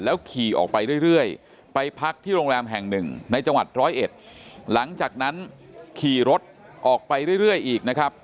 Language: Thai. ขี่ออกไปเรื่อยไปพักที่โรงแรมแห่งหนึ่งในจังหวัดร้อยเอ็ดหลังจากนั้นขี่รถออกไปเรื่อยอีกนะครับ